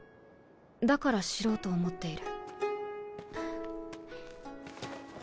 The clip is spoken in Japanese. だから知ろうと思っている。